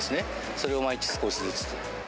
それを毎日少しずつ。